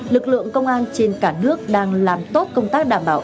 lực lượng công an trên cả nước đang làm tốt công tác đảm bảo